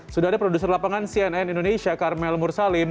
sudah ada produser lapangan cnn indonesia karmel mursalim